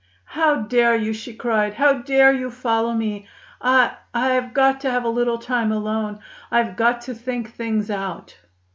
"How dare you?" she cried. "How dare you follow me! I I have got to have a little time alone. I have got to think things out."